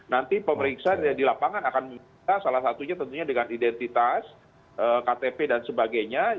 nanti pemeriksaan di lapangan akan salah satunya tentunya dengan identitas ktp dan sebagainya